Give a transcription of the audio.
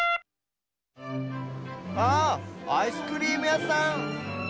ああアイスクリームやさん。